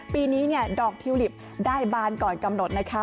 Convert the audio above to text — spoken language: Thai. ปีนี้เนี่ยดอกทิวลิปได้บานก่อนกำหนดนะคะ